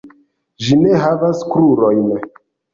Ĝi ne havas krurojn.